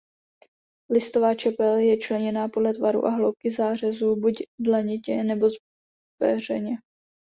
Listová čepel je členěná podle tvaru a hloubky zářezu buď dlanitě nebo zpeřeně.